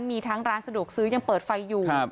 มีทั้งร้านสะดวกซื้อยังเปิดไฟอยู่